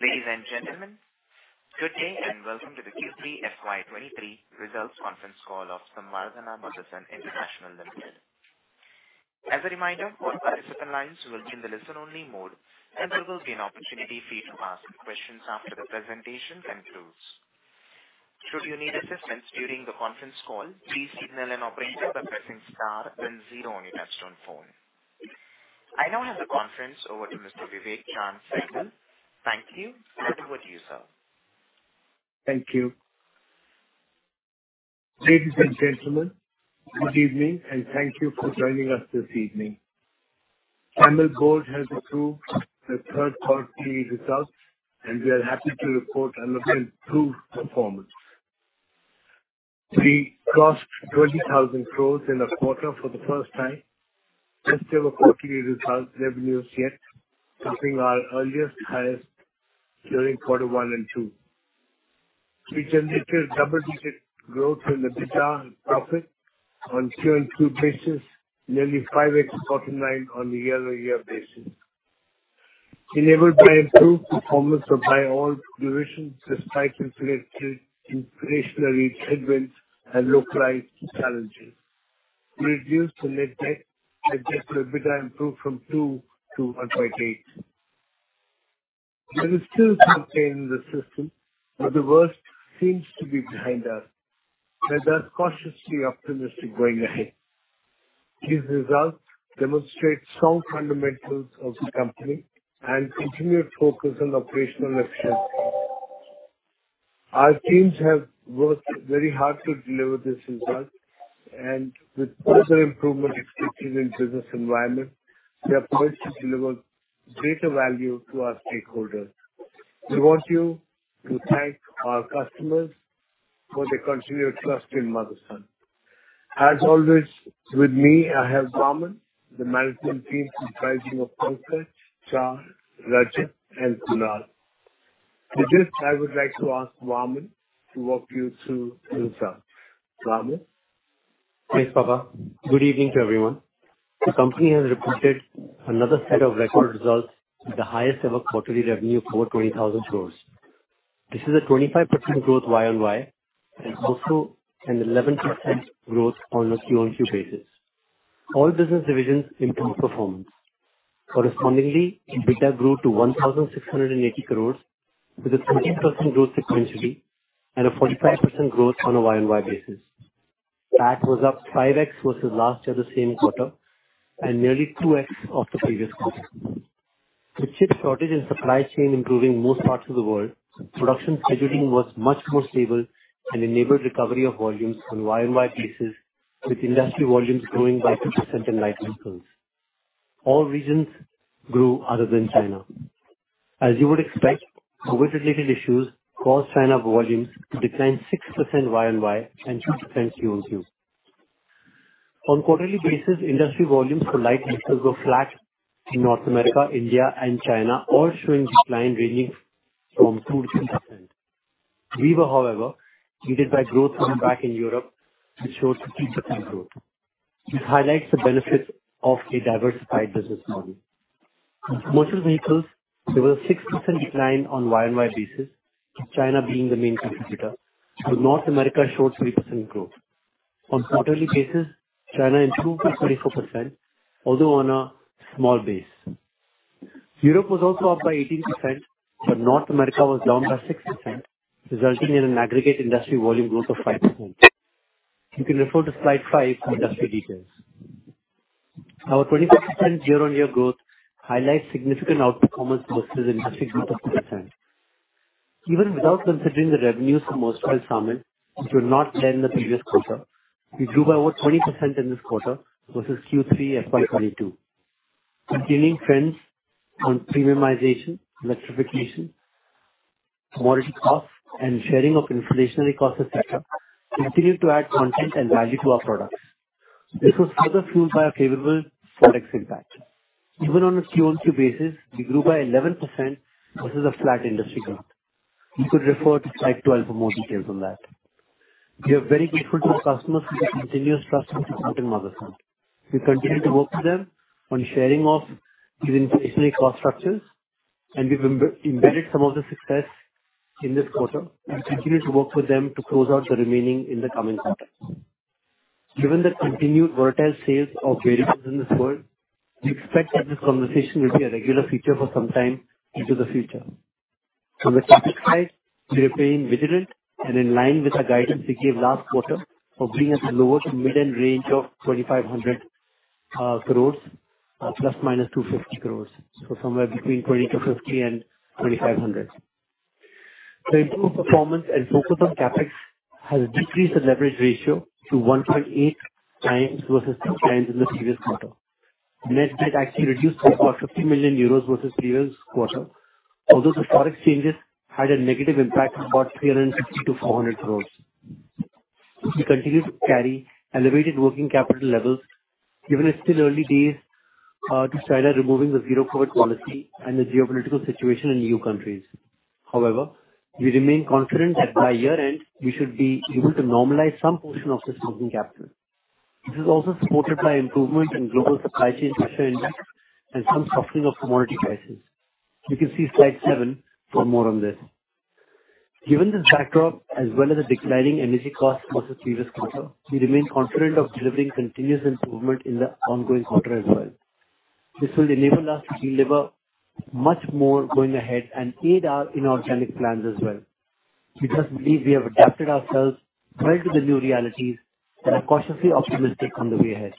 Ladies and gentlemen, good day and welcome to the Q3 FY23 results conference call of the Samvardhana Motherson International Limited. As a reminder, all participant lines will be in the listen-only mode, and you will be an opportunity fee to ask questions after the presentation concludes. Should you need assistance during the conference call, please signal an operator by pressing star then zero on your touchtone phone. I now hand the conference over to Mr. Vivek Chaand Sehgal. Thank you. Over to you, sir. Thank you. Ladies and gentlemen, good evening, thank you for joining us this evening. Samvardhana has approved the third quarter results, we are happy to report another improved performance. We crossed 20,000 crore in a quarter for the first time, best ever quarterly result revenues yet, topping our earliest highest during Q1 and Q2. We generated double-digit growth in the EBITDA and profit on QoQ basis, nearly 5x bottom line on a year-on-year basis. Enabled by improved performance by all divisions, despite inflated inflationary segments and localized challenges. We reduced the net debt as EBITDA improved from two to 1.8. There is still some pain in the system, the worst seems to be behind us, thus cautiously optimistic going ahead. These results demonstrate strong fundamentals of the company and continued focus on operational efficiency. Our teams have worked very hard to deliver this result, and with further improvement expected in business environment, we are poised to deliver greater value to our stakeholders. We want you to thank our customers for their continued trust in Motherson. As always, with me, I have Vaaman, the management team comprising of Pankaj, Charles, Rajat and Kunal. With this, I would like to ask Vaaman to walk you through the results. Vaaman? Thanks, Papa. Good evening to everyone. The company has reported another set of record results with the highest ever quarterly revenue of over 20,000 crores. This is a 25% growth year-on-year and also an 11% growth on a QoQ basis. All business divisions improved performance. Correspondingly, EBITDA grew to 1,680 crores with a 13% growth sequentially and a 45% growth on a year-on-year basis. That was up 5x versus last year the same quarter and nearly 2x of the previous quarter. With chip shortage and supply chain improving most parts of the world, production scheduling was much more stable and enabled recovery of volumes on year-on-year basis, with industry volumes growing by 2% in light vehicles. All regions grew other than China. As you would expect, COVID-related issues caused China volumes to decline 6% year-on-year and 2% QoQ. On quarterly basis, industry volumes for light vehicles were flat in North America, India and China, all showing decline ranging from 2%-3%. We were, however, aided by growth coming back in Europe and showed 15% growth, which highlights the benefits of a diversified business model. In commercial vehicles, there was a 6% decline on year-on-year basis, with China being the main contributor, but North America showed 3% growth. On quarterly basis, China improved by 24%, although on a small base. Europe was also up by 18%, but North America was down by 6%, resulting in an aggregate industry volume growth of 5%. You can refer to slide five for industry details. Our 25% year-on-year growth highlights significant outperformance versus an industry growth of 6%. Even without considering the revenues from Motherson Sumi, which were not there in the previous quarter, we grew by over 20% in this quarter versus Q3 FY22. Continuing trends on premiumization, electrification, commodity costs and sharing of inflationary cost of continue to add content and value to our products. This was further fueled by a favorable Forex impact. Even on a Q-on-Q basis, we grew by 11% versus a flat industry growth. You could refer to slide 12 for more details on that. We are very grateful to our customers for their continuous trust in Samvardhana Motherson. We continue to work with them on sharing of the inflationary cost structures, and we've embedded some of the success in this quarter and continue to work with them to close out the remaining in the coming quarters. Given the continued volatile sales of vehicles in this world, we expect that this conversation will be a regular feature for some time into the future. On the CapEx side, we are being vigilant and in line with our guidance we gave last quarter of being at the lower to mid-end range of 2,500 crores ±250 crores. So somewhere between 2,250 and 2,500. The improved performance and focus on CapEx has decreased the leverage ratio to 1.8 times versus two times in the previous quarter. Net debt actually reduced to about 50 million euros versus previous quarter. The Forex changes had a negative impact of about 360 crore-400 crore. We continue to carry elevated working capital levels, given it's still early days to China removing the zero COVID policy and the geopolitical situation in E.U. countries. We remain confident that by year-end, we should be able to normalize some portion of this working capital. This is also supported by improvement in Global Supply Chain Pressure Index and some softening of commodity prices. You can see slide seven for more on this. Given this backdrop, as well as the declining energy costs of the previous quarter, we remain confident of delivering continuous improvement in the ongoing quarter as well. This will enable us to deliver much more going ahead and aid our inorganic plans as well. We just believe we have adapted ourselves well to the new realities and are cautiously optimistic on the way ahead.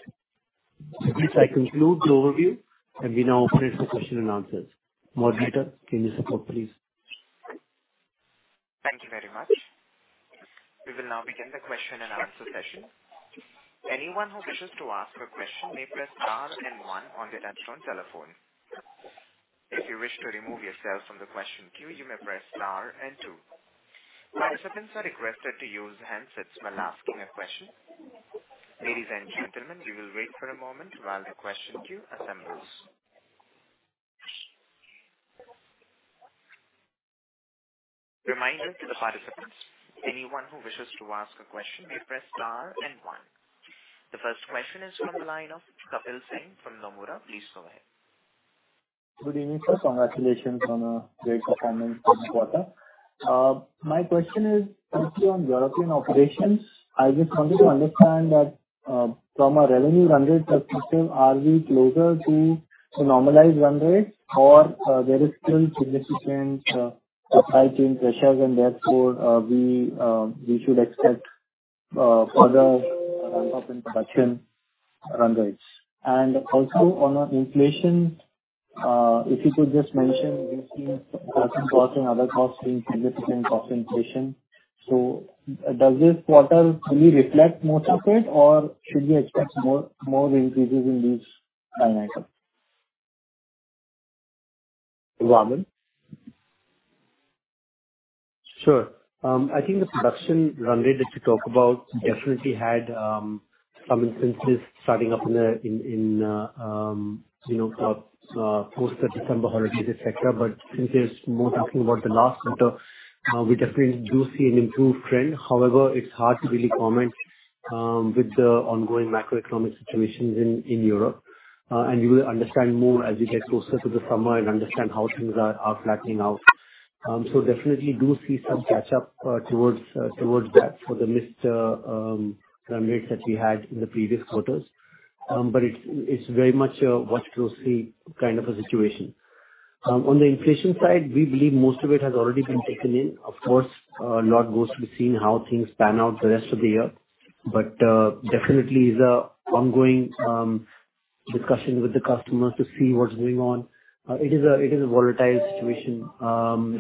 With this, I conclude the overview, and we now open it for question-and-answers. Moderator, can you support, please? Thank you very much. We will now begin the question and answer session. Anyone who wishes to ask a question may press star and one on their touchtone telephone. If you wish to remove yourself from the question queue, you may press star and two. Participants are requested to use handsets while asking a question. Ladies and gentlemen, we will wait for a moment while the question queue assembles. Reminder to the participants. Anyone who wishes to ask a question may press star and one. The first question is from the line of Kapil Singh from Nomura. Please go ahead. Good evening, sir. Congratulations on a great performance this quarter. My question is actually on European operations. I just wanted to understand that, from a revenue run rate perspective, are we closer to a normalized run rate or, there is still significant supply chain pressures and therefore, we should expect further ramp-up in production run rates? Also on inflation, if you could just mention, we've seen casting cost and other costs seeing significant cost inflation. Does this quarter really reflect most of it, or should we expect more increases in these line items? Vaaman? Sure. I think the production run rate that you talk about definitely had some instances starting up in the, you know, post the December holidays, et cetera. Since it's more talking about the last quarter, we definitely do see an improved trend. However, it's hard to really comment with the ongoing macroeconomic situations in Europe. You will understand more as we get closer to the summer and understand how things are flattening out. Definitely do see some catch up towards that for the missed run rates that we had in the previous quarters. But it's very much a watch closely kind of a situation. On the inflation side, we believe most of it has already been taken in. Of course, a lot goes to be seen how things pan out the rest of the year. Definitely is a ongoing discussion with the customers to see what's going on. It is a volatile situation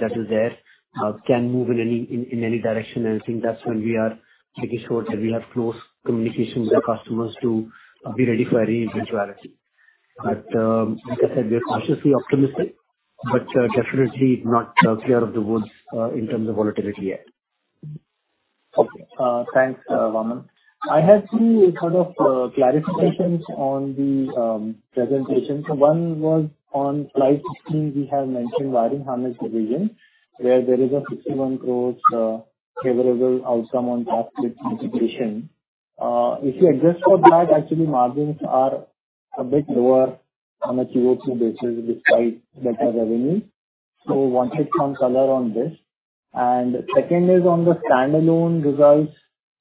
that is there. Can move in any direction. I think that's when we are making sure that we have close communication with our customers to be ready for any eventuality. Like I said, we are cautiously optimistic, but, definitely not clear of the woods in terms of volatility yet. Okay. Thanks, Vaaman. I have two sort of clarifications on the presentation. One was on slide 16, we have mentioned Wiring Harness Division, where there is a 61 crores favorable outcome on past split litigation. If you adjust for that, actually margins are a bit lower on a QoQ basis despite better revenue. Wanted some color on this. Second is on the standalone results.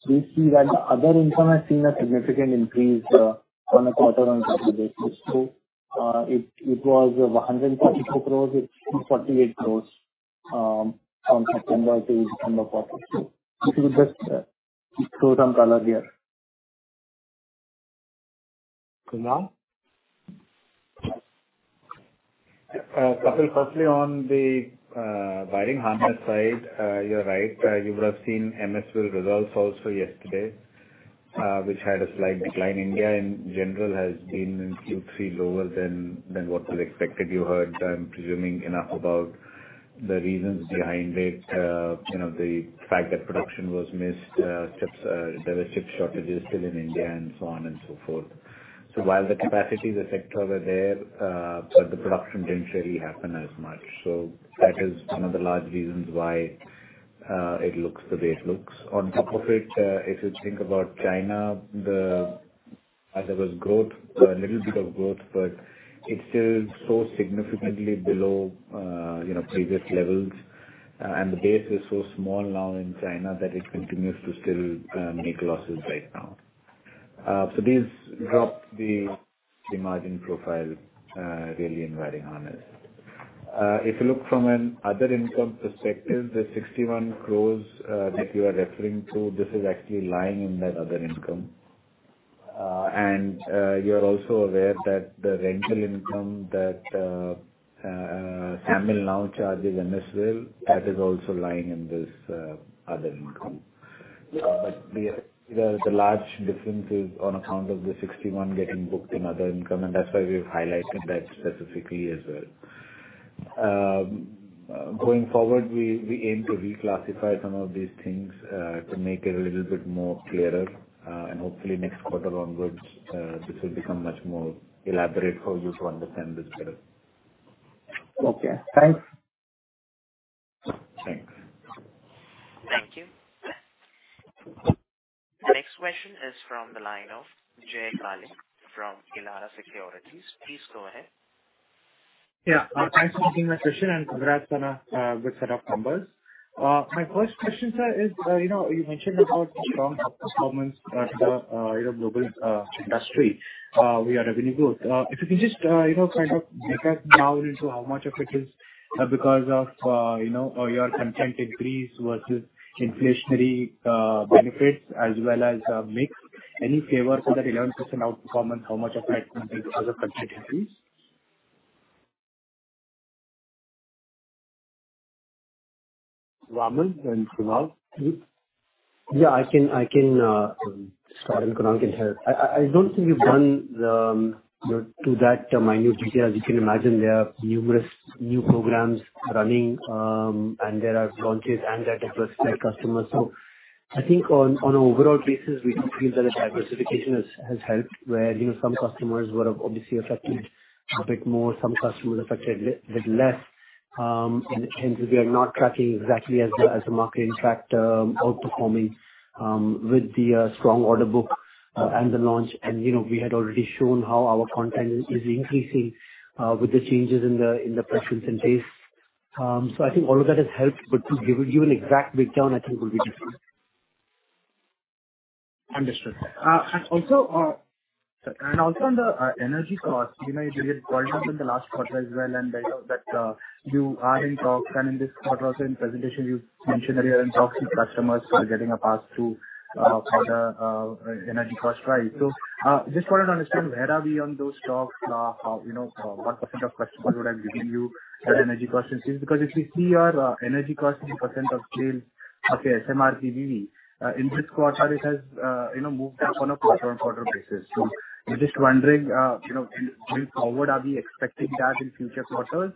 We see that the other income has seen a significant increase on a quarter-on-quarter basis. It was 144 crores, it's 248 crores from September to December quarter. If you could just throw some color here. Kunal? Kapil, firstly on the wiring harness side, you're right. You would have seen MSPL results also yesterday, which had a slight decline. India in general has been in Q3 lower than what was expected. You heard, I'm presuming enough about the reasons behind it. You know, the fact that production was missed, chips, there were chip shortages still in India and so on and so forth. While the capacities effect over there, but the production didn't really happen as much. That is one of the large reasons why it looks the way it looks. On top of it, if you think about China, there was growth, a little bit of growth, but it's still so significantly below, you know, previous levels. The base is so small now in China that it continues to still make losses right now. These drop the margin profile really in wiring harness. If you look from an other income perspective, the 61 crores that you are referring to, this is actually lying in that other income. You are also aware that the rental income that SAMIL now charges MSPL, that is also lying in this other income. The large difference is on account of the 61 getting booked in other income, and that's why we've highlighted that specifically as well. Going forward, we aim to reclassify some of these things to make it a little bit more clearer. Hopefully next quarter onwards, this will become much more elaborate for you to understand this better. Okay. Thanks. Thanks. Thank you. The next question is from the line of Jay Kale from Elara Securities. Please go ahead. Yeah. Thanks for taking my question, and congrats on a good set of numbers. My first question, sir, is, you know, you mentioned about the strong outperformance at the, you know, global industry via revenue growth. If you can just, you know, kind of take us now into how much of it is because of, you know, your content increase versus inflationary benefits as well as mix. Any favor so that 11% outperformance, how much of that contributed to other content increase? Vaaman and Kunal, please. Yeah, I can start and Kunal can help. I don't think we've done to that minute detail. As you can imagine, there are numerous new programs running and there are launches and that across our customers. I think on overall basis, we do feel that the diversification has helped where, you know, some customers were obviously affected a bit more, some customers affected bit less. Hence we are not tracking exactly as the market, in fact, outperforming with the strong order book and the launch. You know, we had already shown how our content is increasing with the changes in the price and content. I think all of that has helped, but to give you an exact breakdown I think will be difficult. Understood. Also, and also on the energy cost, you know, you did call it up in the last quarter as well, and I know that, you are in talks and in this quarter also in presentation you've mentioned that you are in talks with customers who are getting a pass through, for the energy cost rise. Just wanted to understand where are we on those talks? How, you know, what % of customers would have given you that energy cost increase? Because if we see your energy cost as a % of sale of your SMRP BV, in this quarter it has, you know, moved up on a quarter-on-quarter basis. I'm just wondering, you know, going forward, are we expecting that in future quarters?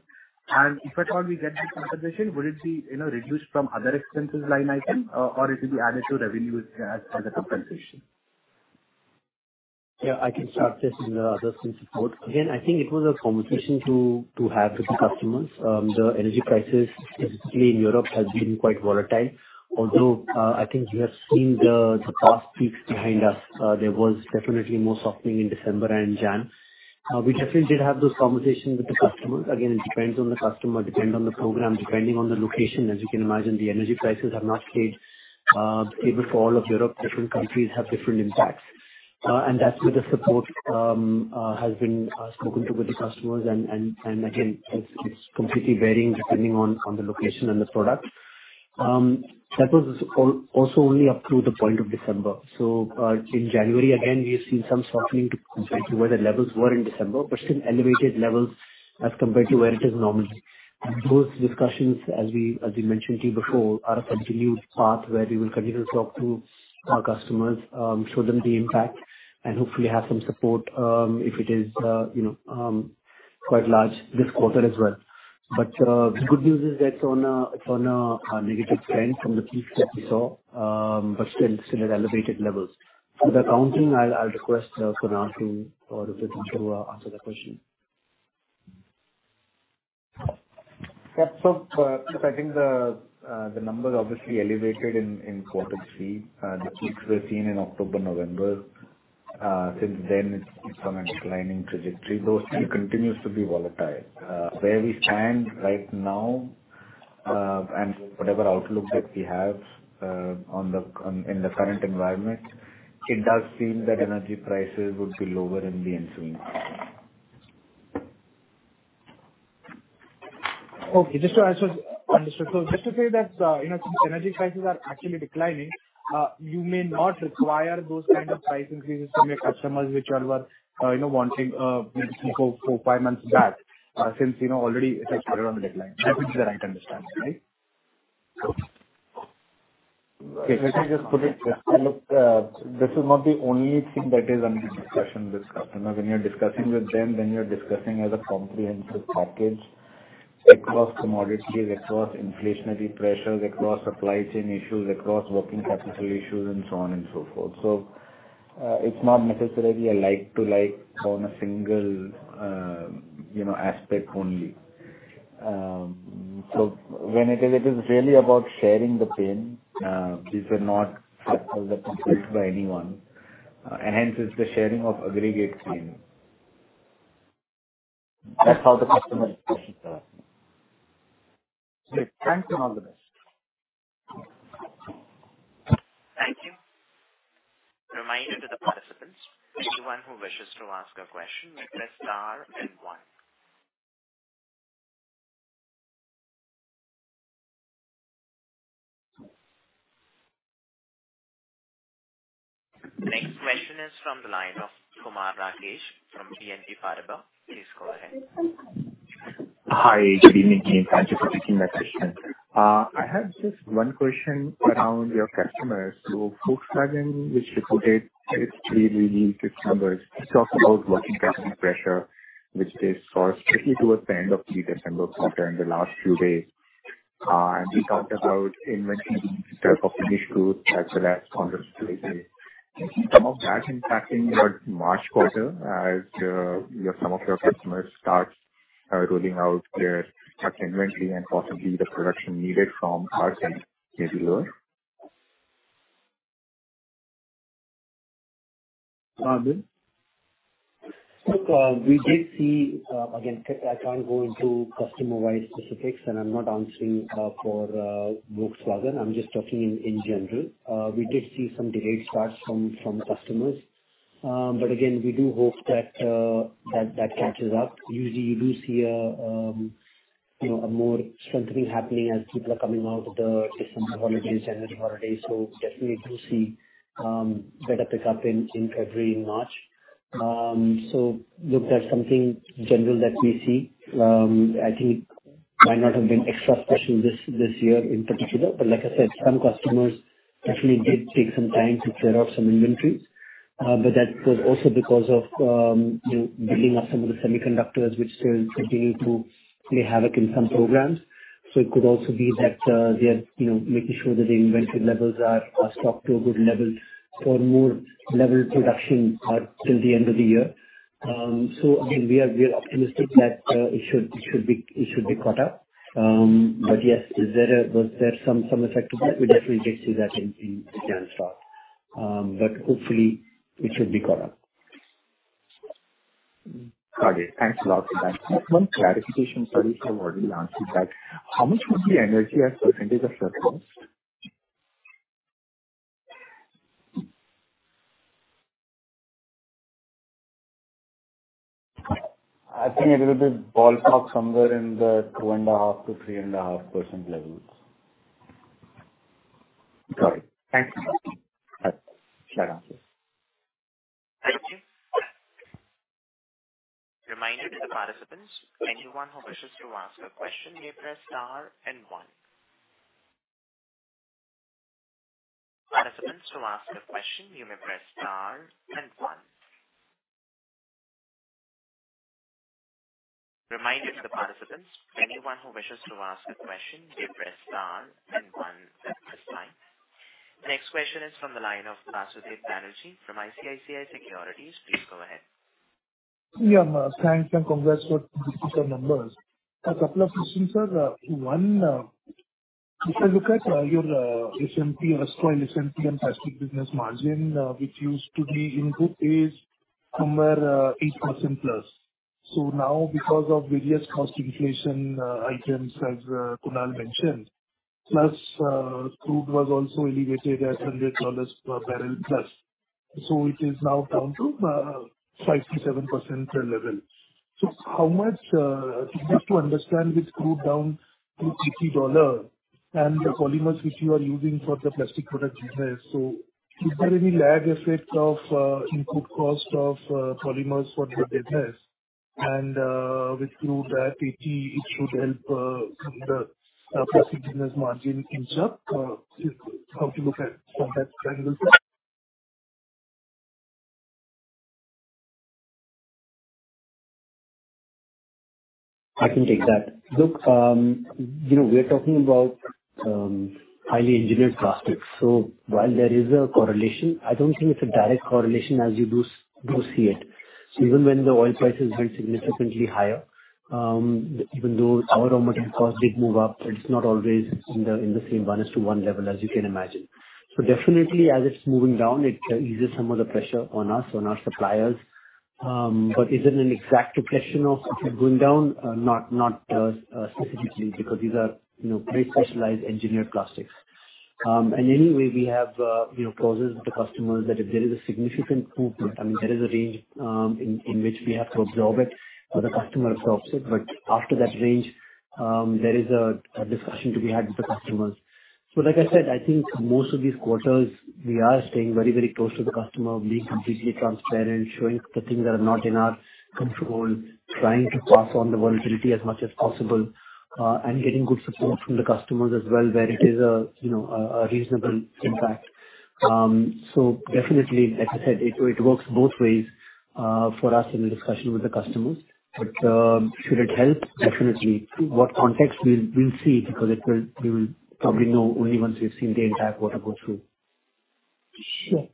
If at all we get that compensation, would it be, you know, reduced from other expenses line item or it will be added to revenues as a compensation? Yeah, I can start this and others can support. Again, I think it was a conversation to have with the customers. The energy prices, specifically in Europe, has been quite volatile. Although, I think you have seen the past peaks behind us. There was definitely more softening in December and January. We definitely did have those conversations with the customers. Again, it depends on the customer, depends on the program, depending on the location. As you can imagine, the energy prices have not stayed able for all of Europe. Different countries have different impacts. And that's where the support has been spoken to with the customers and again, it's completely varying depending on the location and the product. That was also only up to the point of December. In January, again, we have seen some softening compared to where the levels were in December, but still elevated levels as compared to where it is normally. Those discussions, as we mentioned to you before, are a continued path where we will continue to talk to our customers, show them the impact and hopefully have some support, if it is, you know, quite large this quarter as well. The good news is that it's on a negative trend from the peaks that we saw, but still at elevated levels. For the accounting, I'll request Kunal or Vivek to answer the question. Yeah. I think the number obviously elevated in quarter three. The peaks were seen in October, November. Since then it's been on a declining trajectory, though still continues to be volatile. Where we stand right now, and whatever outlook that we have, in the current environment, it does seem that energy prices would be lower in the ensuing quarter. Okay. Just to ask, understood. Just to say that, you know, since energy prices are actually declining, you may not require those kind of price increases from your customers, which you all were, you know, wanting, maybe four, five months back, since, you know, already it has started on the decline. That is the right understanding, right? Let me just put it. Look, this is not the only thing that is under discussion with customers. When you're discussing with them, then you're discussing as a comprehensive package across commodities, across inflationary pressures, across supply chain issues, across working capital issues and so on and so forth. It's not necessarily a like to like on a single, you know, aspect only. When it is, it is really about sharing the pain. These are not costs that are caused by anyone. Hence it's the sharing of aggregate pain. That's how the customer discussions are. Great. Thanks. All the best. Thank you. Reminder to the participants, anyone who wishes to ask a question, press star then one. Next question is from the line of Kumar Rakesh from BNP Paribas. Please go ahead. Hi. Good evening. Thank Thank you for taking my question. I have just one question around your customers. Volkswagen, which reported its Q3 release numbers, talked about working capital pressure, which they saw strictly towards the end of the December quarter in the last few days. We talked about inventory build for finished goods as well as raw material. Can you see some of that impacting your March quarter as some of your customers start rolling out their stock inventory and possibly the production needed from our side may be lower? Vaaman? Look, we did see. Again, I can't go into customer-wide specifics, and I'm not answering for Volkswagen. I'm just talking in general. We did see some delayed starts from customers. Again, we do hope that that catches up. Usually you do see a, you know, more something happening as people are coming out of the different holidays, January holidays. Definitely you do see better pickup in February and March. Look, that's something general that we see. I think might not have been extra special this year in particular, but like I said, some customers actually did take some time to clear out some inventories. That was also because of, you know, building up some of the semiconductors which still continue to play havoc in some programs. It could also be that, they are, you know, making sure that their inventory levels are stocked to a good level for more level production, till the end of the year. Again, we are, we are optimistic that, it should be caught up. Yes, was there some effect to that? We definitely did see that in the January start. Hopefully it should be caught up. Got it. Thanks a lot for that. One clarification, Kunal, you have already answered that. How much would be energy as % of sales? I think it will be ballpark somewhere in the 2.5%-3.5% levels. Got it. Thanks. Right. Fair answer. Thank you. Reminder to the participants, anyone who wishes to ask a question may press star and one. Participants who ask a question, you may press star and one. Reminder to the participants, anyone who wishes to ask a question, you press star and one then press nine. Next question is from the line of Basudeb Banerjee from ICICI Securities. Please go ahead. Thanks, and congrats for the quarter numbers. A couple of questions, sir. One, if I look at your SMP, SMR and SMP and plastic business margin, which used to be in good days somewhere, 8% plus. Now because of various cost inflation items as Kunal mentioned, plus crude was also elevated at $100 per barrel plus. It is now down to 5%-7% level. How much. just to understand with crude down to $80 and the polymers which you are using for the plastic product business, so is there any lag effect of input cost of polymers for the business and with crude at $80 it should help some of the plastic business margin inch up? How to look at from that triangle, sir? I can take that. Look, you know, we are talking about highly engineered plastics. While there is a correlation, I don't think it's a direct correlation as you do see it. Even when the oil prices went significantly higher, even though our raw material cost did move up, it's not always in the same one is to one level, as you can imagine. Definitely as it's moving down, it eases some of the pressure on us, on our suppliers. Is it an exact reflection of it going down? Not specifically because these are, you know, very specialized engineered plastics. We have, you know, clauses with the customers that if there is a significant improvement, I mean, there is a range in which we have to absorb it or the customer absorbs it. After that range, there is a discussion to be had with the customers. Like I said, I think most of these quarters we are staying very, very close to the customer, being completely transparent, showing the things that are not in our control, trying to pass on the volatility as much as possible, and getting good support from the customers as well, where it is a, you know, a reasonable impact. Definitely, as I said, it works both ways for us in the discussion with the customers. Should it help? Definitely. What context we'll see because it will. We will probably know only once we've seen the entire quarter go through. Sure.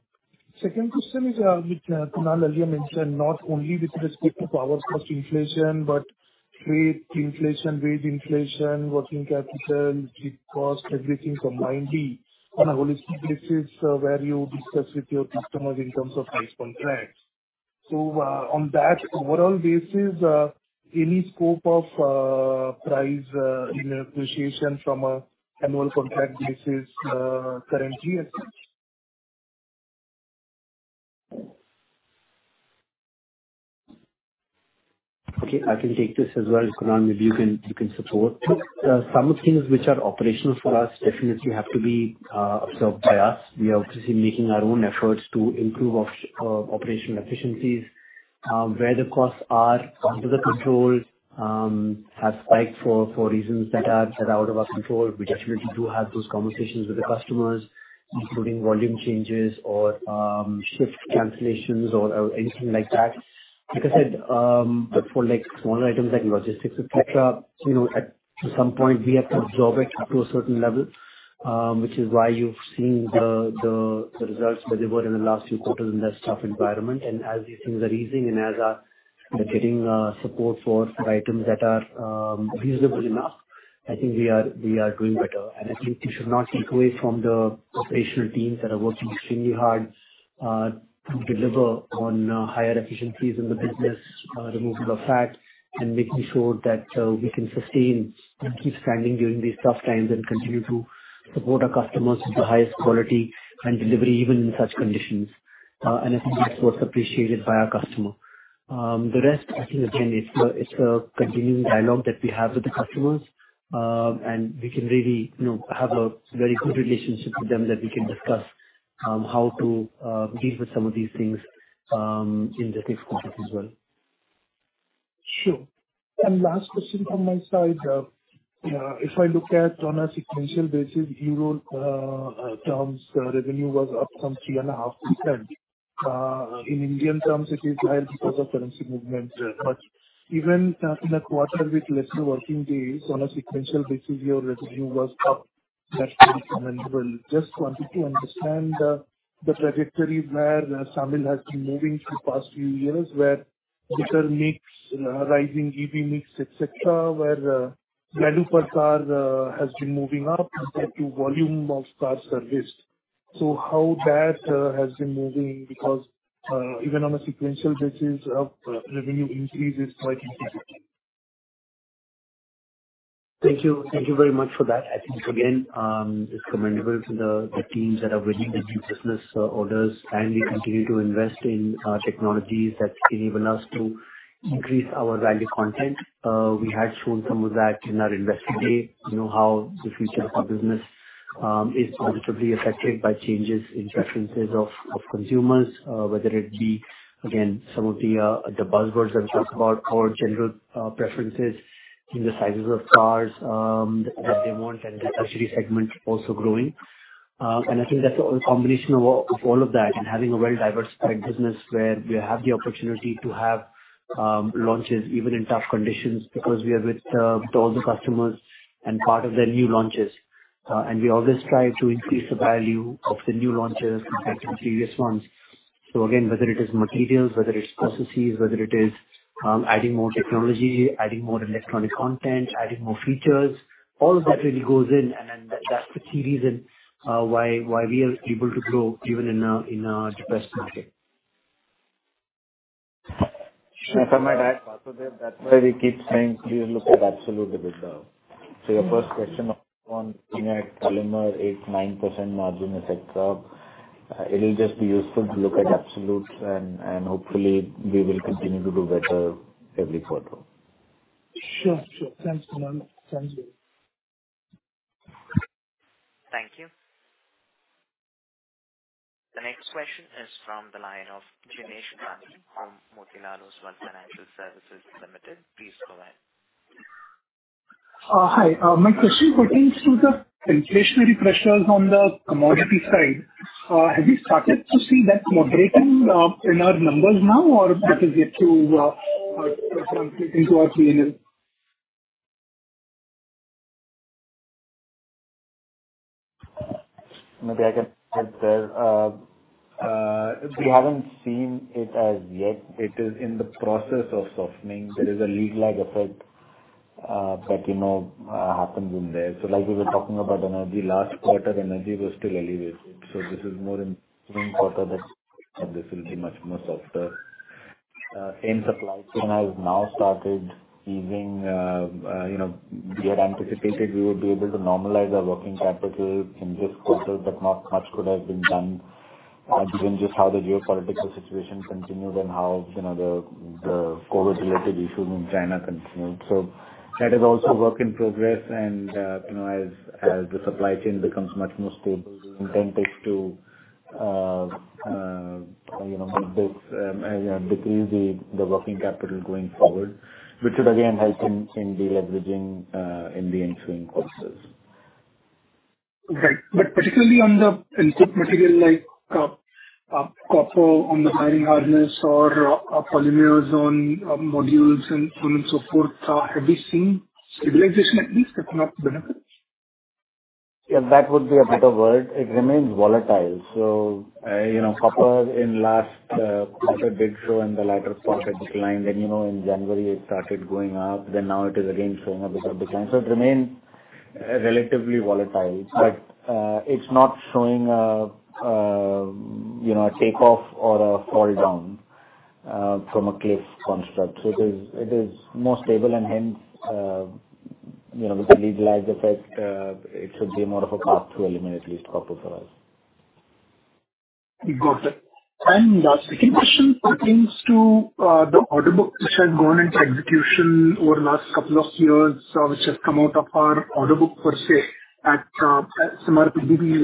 Second question is, which nal earlier mentioned, not only with respect to power cost inflation, but freight inflation, wage inflation, working capital, fleet cost, everything combinedly on a holistic basis, where you discuss with your customers in terms of price contracts. On that overall basis, any scope of price, you know, appreciation from an annual contract basis, currently as such? Okay, I can take this as well. Kunal, maybe you can support. Sure. Some of things which are operational for us definitely have to be absorbed by us. We are obviously making our own efforts to improve operational efficiencies. Where the costs are under the control, have spiked for reasons that are out of our control, we definitely do have those conversations with the customers, including volume changes or shift cancellations or anything like that. Like I said, for like smaller items like logistics, et cetera, you know, at some point we have to absorb it up to a certain level, which is why you've seen the results deliver in the last few quarters in this tough environment. As these things are easing and as we're getting support for items that are reasonable enough, I think we are doing better. I think we should not take away from the operational teams that are working extremely hard to deliver on higher efficiencies in the business, removal of fat, and making sure that we can sustain and keep standing during these tough times and continue to support our customers with the highest quality and delivery, even in such conditions. I think that's also appreciated by our customer. The rest, I think, again, it's a, it's a continuing dialogue that we have with the customers. We can really, you know, have a very good relationship with them that we can discuss how to deal with some of these things in the next quarter as well. Sure. Last question from my side. If I look at on a sequential basis, EUR terms, revenue was up some 3.5%. In INR terms it is high because of currency movement. Even in a quarter with lesser working days, on a sequential basis, your revenue was up commendable. Just wanted to understand the trajectory where SAMIL has been moving through past few years, where better mix, rising EV mix, et cetera, where value per car has been moving up compared to volume of cars serviced. How that has been moving, because even on a sequential basis of revenue increase is quite impressive. Thank you. Thank you very much for that. I think, again, it's commendable to the teams that are bringing the new business orders, and we continue to invest in technologies that enable us to increase our value content. We had shown some of that in our investor day, you know, how the future of our business is positively affected by changes in preferences of consumers, whether it be, again, some of the buzzwords that talk about our general preferences in the sizes of cars that they want, and the luxury segment also growing. I think that's a combination of all of that and having a very diversified business where we have the opportunity to have launches even in tough conditions because we are with all the customers and part of their new launches. We always try to increase the value of the new launches compared to previous ones. Again, whether it is materials, whether it's processes, whether it is adding more technology, adding more electronic content, adding more features, all of that really goes in and that's the key reason why we are able to grow even in a depressed market. Sure. If I might add, Basudeb, that's why we keep saying please look at absolute results. Your first question on inert polymer, 8%-9% margin, et cetera, it'll just be useful to look at absolutes and hopefully we will continue to do better every quarter. Sure. Sure. Thanks, Kunal. Thanks. Thank you. The next question is from the line of Jinesh Gandhi from Motilal Oswal Financial Services Limited. Please go ahead. Hi. My question pertains to the inflationary pressures on the commodity side. Have you started to see that moderating in our numbers now, or that is yet to reflect into our PNL? Maybe I can start there. We haven't seen it as yet. It is in the process of softening. There is a lag effect that, you know, happens in there. Like we were talking about energy, last quarter energy was still elevated, so this is more in current quarter that this will be much more softer. Supply chain has now started easing. You know, we had anticipated we would be able to normalize our working capital in this quarter, but not much could have been done given just how the geopolitical situation continued and how, you know, the COVID-related issue in China continued. That is also work in progress. You know, as the supply chain becomes much more stable and tends to, you know, both, decrease the working capital going forward, which should again help in deleveraging in the ensuing quarters. Right. Particularly on the input material like copper on the Wiring Harness or polymers on modules and so on and so forth, have you seen stabilization at least that may have to benefit? Yeah, that would be a better word. It remains volatile. You know, copper in last quarter did show in the latter part a decline. You know, in January it started going up. Now it is again showing a bit of decline. It remains relatively volatile. Right. It's not showing, you know, a takeoff or a fall down from a cliff construct. It is, it is more stable and hence, you know, with the lag effect, it should be more of a path to eliminate at least copper for us. Got it. Last, second question pertains to the order book which has gone into execution over last couple of years, which has come out of our order book per se at similar PDB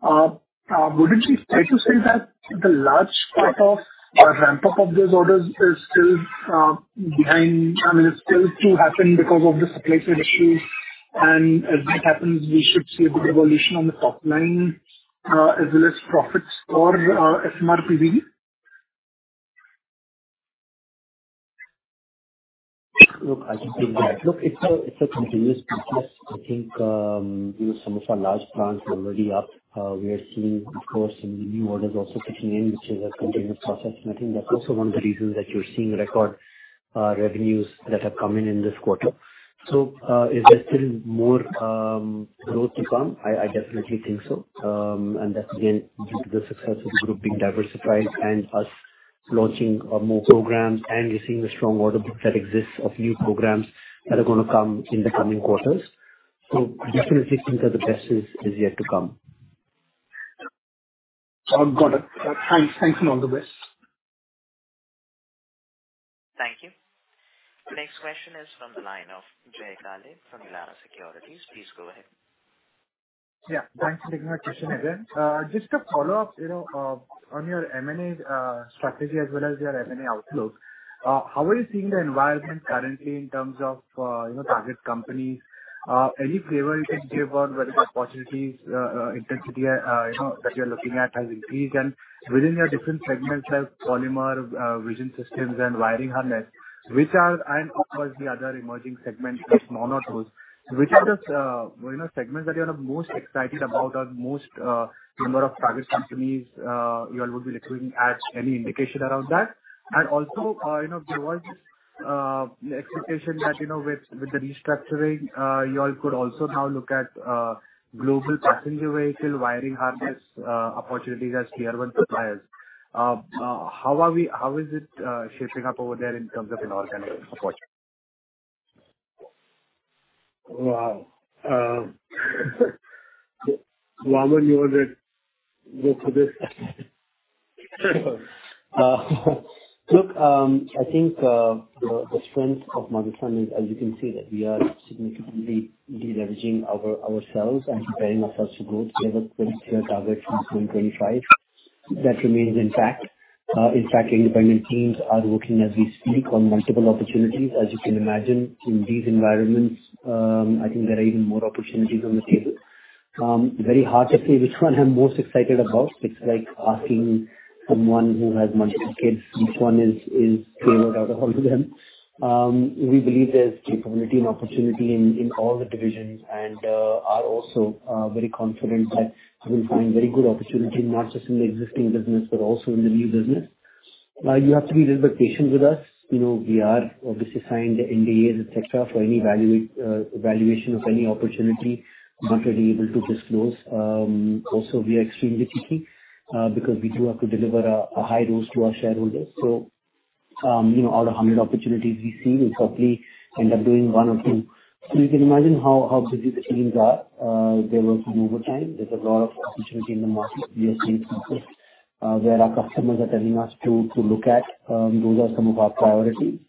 level. Wouldn't we try to say that the large part of a ramp-up of those orders is still behind? I mean, it's still to happen because of the supply chain issues, and as that happens, we should see a good evolution on the top line. As well as profits or, SMRP BV? Look, I think it's a continuous process. I think, you know, some of our large plants are already up. We are seeing, of course, some new orders also kicking in, which is a continuous process. I think that's also one of the reasons that you're seeing record revenues that have come in in this quarter. Is there still more growth to come? I definitely think so. That's again, due to the success of the group being diversified and us launching more programs and we're seeing the strong order book that exists of new programs that are gonna come in the coming quarters. Definitely think that the best is yet to come. Got it. Thanks. Thanks and all the best. Thank you. Next question is from the line of Jay Kale from Elara Securities. Please go ahead. Yeah, thanks for taking my question again. Just a follow-up, you know, on your M&A strategy as well as your M&A outlook. How are you seeing the environment currently in terms of, you know, target companies? Any flavor you can give on whether the opportunities, intensity, you know, that you're looking at has increased? Within your different segments like polymer, vision systems and wiring harness, and of course, the other emerging segments like mould tools, which are the, you know, segments that you are most excited about or most, number of target companies, you all will be recruiting at, any indication around that? You know, there was expectation that, you all could also now look at global passenger vehicle wiring harness opportunities as Tier 1 suppliers. How is it shaping up over there in terms of an organic approach? Wow. Vaaman, you want to go for this? I think the strength of Motherson is, as you can see, that we are significantly de-leveraging ourselves and preparing ourselves to grow together to reach our target through FY25. That remains intact. In fact, independent teams are working as we speak on multiple opportunities. As you can imagine, in these environments, I think there are even more opportunities on the table. Very hard to say which one I'm most excited about. It's like asking someone who has multiple kids which one is favored out of all of them. We believe there's capability and opportunity in all the divisions and are also very confident that we'll find very good opportunity, not just in the existing business, but also in the new business. You have to be little bit patient with us. You know, we are obviously signed NDAs, et cetera, for any evaluation of any opportunity. Not really able to disclose. Also, we are extremely picky because we do have to deliver a high dose to our shareholders. Out of 100 opportunities we see, we'll probably end up doing one or two. You can imagine how busy the teams are. They're working overtime. There's a lot of opportunity in the market we are seeing where our customers are telling us to look at. Those are some of our priority.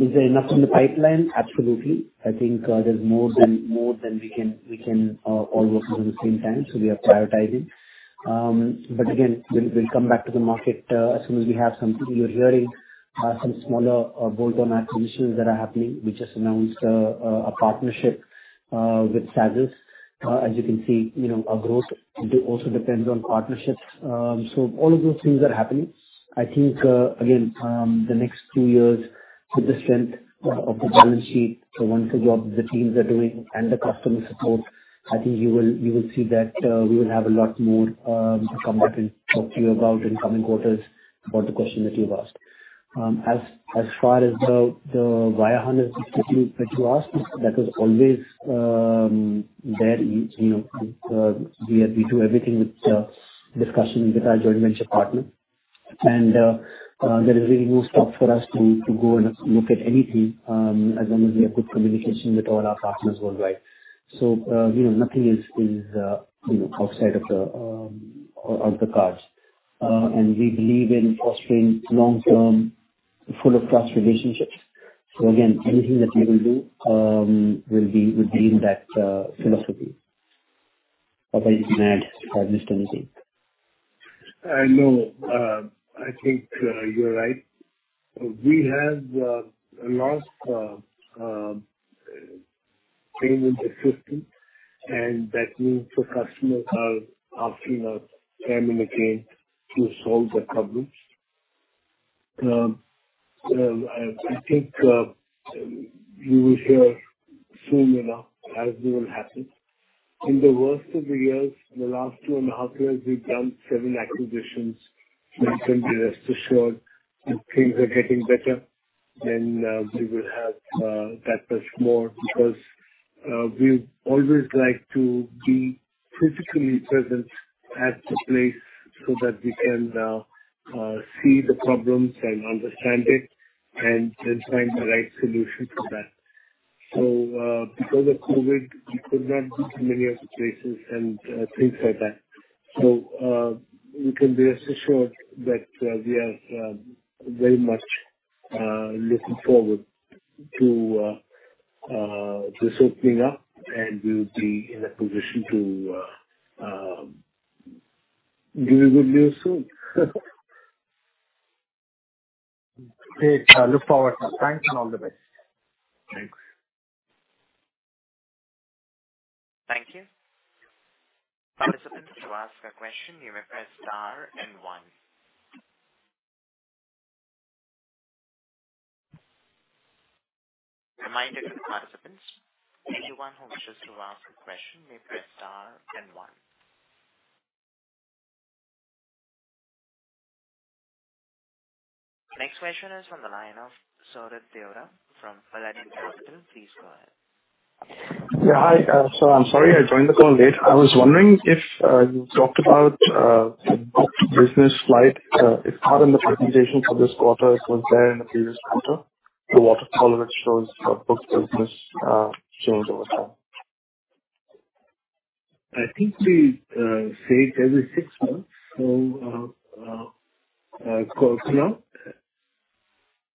Is there enough in the pipeline? Absolutely. I think, there's more than we can all work on at the same time. We are prioritizing. Again, we'll come back to the market as soon as we have something. You're hearing some smaller bolt-on acquisitions that are happening. We just announced a partnership with SAS. As you can see, you know, our growth do also depends on partnerships. All of those things are happening. I think, again, the next two years with the strength of the balance sheet, the wonderful job the teams are doing and the customer support, I think you will see that we will have a lot more to come back and talk to you about in coming quarters about the question that you've asked. As far as the Wiring Harness question that you asked, that was always there. You, you know, we do everything with discussions with our joint venture partner. There is really no stop for us to go and look at anything as long as we have good communication with all our customers worldwide. You know, nothing is, you know, outside of the cards. We believe in fostering long-term full of trust relationships. Again, anything that we will do will be within that philosophy. Papa, you can add or some or anything. No. I think, you're right. We have a large presence assistant, and that means the customers are asking us time and again to solve their problems. I think, you will hear soon enough as it will happen. In the worst of the years, in the last 2 and a half years, we've done seven acquisitions. You can be rest assured if things are getting better, then we will have that much more because we always like to be physically present at the place so that we can see the problems and understand it and then find the right solution for that. Because of COVID, we could not go to many of the places and things like that. You can be rest assured that we are very much looking forward to this opening up, and we will be in a position to give you good news soon. Great. look forward, sir. Thanks and all the best. Thanks. Thank you. Participants, to ask a question, you may press star and one. Reminder to the participants, anyone who wishes to ask a question may press star and one. Next question is from the line of Suraj Deora from Prabhudas Lilladher. Please go ahead. Yeah. Hi. I'm sorry I joined the call late. I was wondering if you talked about the booked business slide. It's not in the presentation for this quarter. It was there in the previous quarter. The waterfall which shows your booked business change over time. I think we say it every six months. It goes now.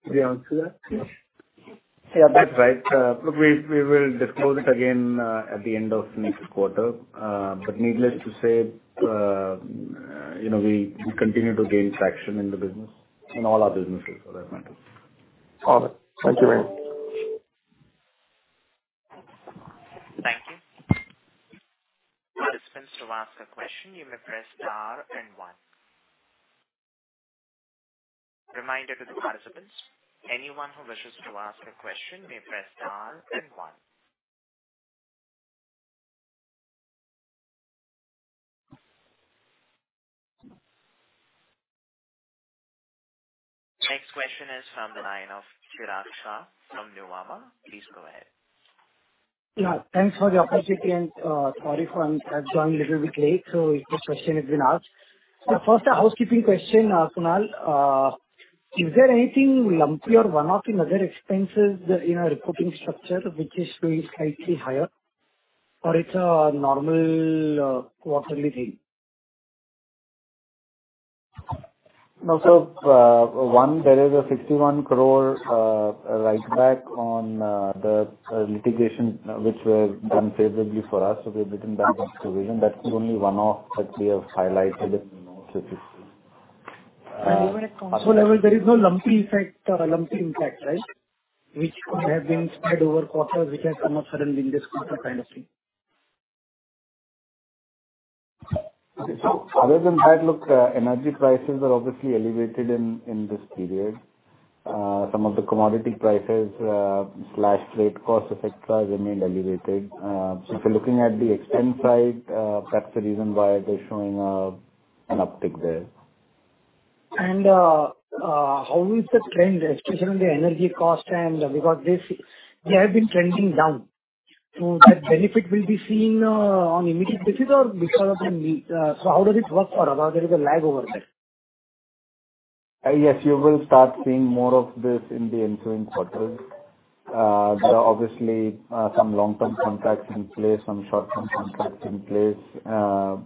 Did we answer that? Yeah. That's right. Look, we will disclose it again, at the end of next quarter. Needless to say, you know, we continue to gain traction in the business, in all our businesses for that matter. Got it. Thank you very much. Thank you. Participants, to ask a question, you may press star and one. Reminder to the participants, anyone who wishes to ask a question may press star and one. Next question is from the line of Chirag Shah from Nuvama. Please go ahead. Yeah. Thanks for the opportunity and sorry if I'm, I've joined a little bit late, so if this question has been asked. First, a housekeeping question, Kunal. Is there anything lumpy or one-off in other expenses that in our reporting structure which is really slightly higher, or it's a normal quarterly thing? No. one, there is a 61 crore write back on the litigation which were done favorably for us. We've written back into vision. That's only one-off that we have highlighted in notes. Even at console level, there is no lumpy effect or a lumpy impact, right? Which could have been spread over quarters, which has come up suddenly in this quarter kind of thing. Okay. Other than that, look, energy prices are obviously elevated in this period. Some of the commodity prices, slash rate costs, et cetera, remain elevated. If you're looking at the expense side, that's the reason why they're showing an uptick there. How is the trend, especially on the energy cost end? Because this, they have been trending down. That benefit will be seen on immediate basis or so how does it work or there is a lag over there? Yes, you will start seeing more of this in the ensuing quarters. There are obviously some long-term contracts in place, some short-term contracts in place, there are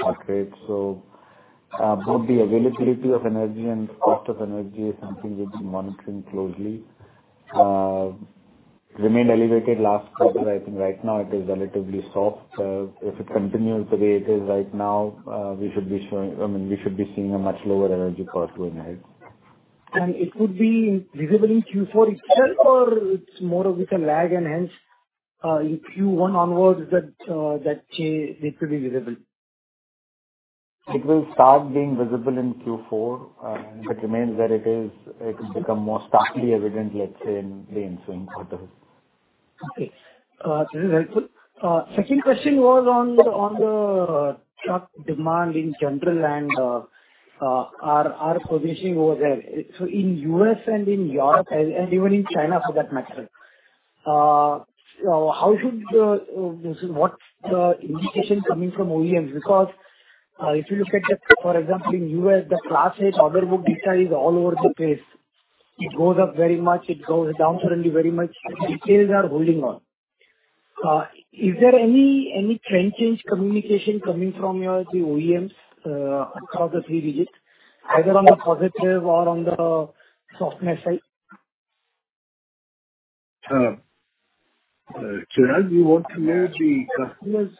spot rates. Both the availability of energy and cost of energy is something we've been monitoring closely. It remained elevated last quarter. I think right now it is relatively soft. If it continues the way it is right now, I mean, we should be seeing a much lower energy cost going ahead. It would be visible in Q4 itself or it's more of with a lag and hence, in Q1 onwards that change it will be visible? It will start being visible in Q4, but remains that it is, it will become more starkly evident, let's say, in the ensuing quarters. Okay. This is helpful. Second question was on the truck demand in general and our positioning over there. In U.S. and in Europe and even in China for that matter, This is what the indication coming from OEMs? If you look at the, for example, in U.S., the Class 8 order book data is all over the place. It goes up very much, it goes down suddenly very much. The details are holding on. Is there any trend change communication coming from the OEMs across the three digits, either on the positive or on the softness side? Chirag, you want to know the customers'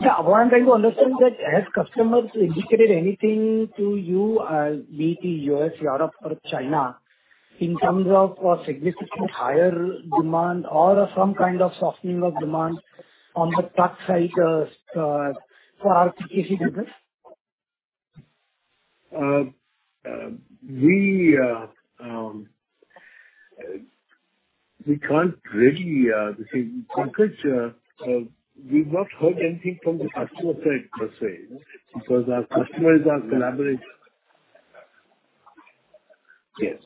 briefing? Yeah. What I'm trying to understand that has customers indicated anything to you, be it U.S., Europe or China, in terms of a significant higher demand or some kind of softening of demand on the truck side, for PKC business? We can't really, because we've not heard anything from the customer side per se, because our customers are collaborators. Yes.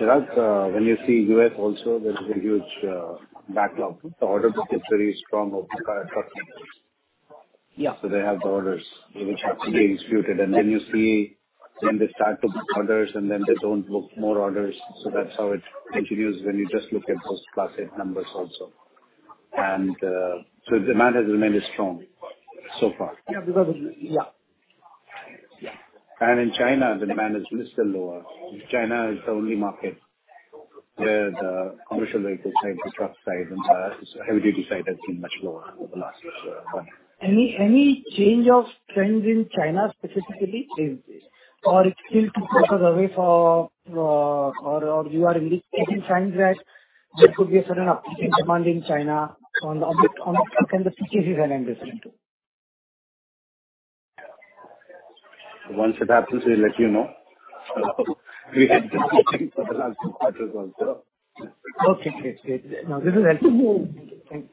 Chirag, when you see U.S. also there is a huge backlog. The order book is very strong over the prior 12 months. Yeah. They have the orders which have to be executed. Then you see then they start to book orders and then they don't book more orders. That's how it continues when you just look at those Class 8 numbers also. Demand has remained strong so far. Yeah. Yeah. Yeah. In China, the demand is little lower. China is the only market. The commercial vehicle side, the truck side and heavy-duty side has been much lower over the last year. Any change of trend in China specifically lately? It's still too early for. You are really taking signs that there could be a certain uptick in demand in China on the truck and the PKCs that I'm listening to? Once it happens, we'll let you know. We had been waiting for the last quarter also. Okay, great. Great. No, this is helpful. Thank you.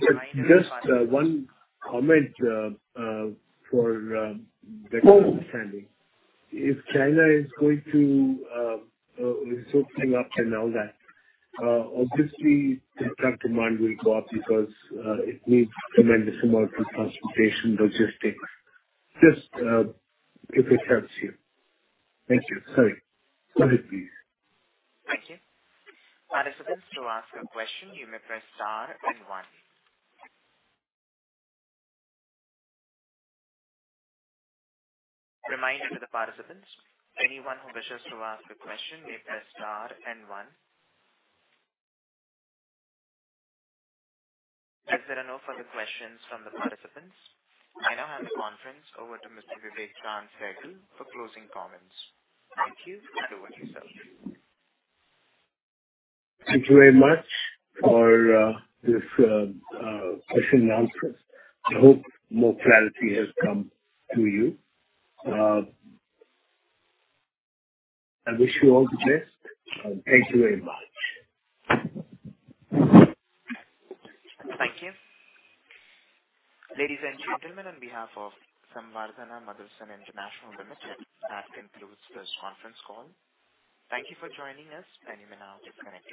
Thank you. Just, one comment, for better understanding. If China is going to, is opening up and all that, obviously the truck demand will go up because, it needs tremendous amount of transportation logistics. Just, if it helps you. Thank you. Sorry. Go ahead, please. Thank you. Participants, to ask a question, you may press star then one. Reminder to the participants, anyone who wishes to ask a question may press star and one. There are no further questions from the participants, I now hand the conference over to Mr. Vivek Chaand Sehgal for closing comments. Thank you. Over to yourself. Thank you very much for this question and answer. I hope more clarity has come to you. I wish you all the best. Thank you very much. Thank you. Ladies and gentlemen, on behalf of Samvardhana Motherson International Limited, that concludes this conference call. Thank you for joining us. You may now disconnect your lines.